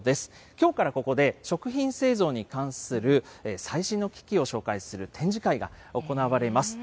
きょうからここで食品製造に関する最新の機器を紹介する展示会が行われます。